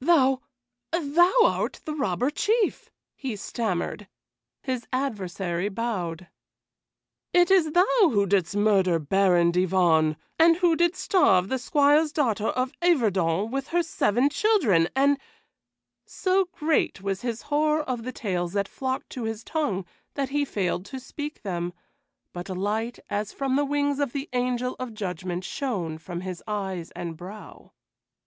"Thou thou art the Robber Chief," he stammered. His adversary bowed. "It is thou who didst murder Baron Divonne, and who didst starve the Squire's daughter of Yverton with her seven children, and" So great was his horror of the tales that flocked to his tongue that he failed to speak them, but a light as from the wings of the Angel of Judgment shone from his eyes and brow.